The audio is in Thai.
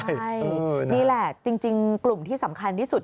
ใช่นี่แหละจริงกลุ่มที่สำคัญที่สุด